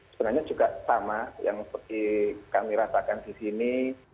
sebenarnya juga sama yang seperti kami rasakan di sini